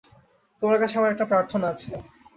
তোমার কাছে আমার একটা প্রার্থনা আছে।